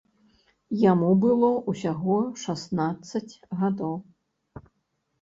Яму было ўсяго шаснаццаць гадоў.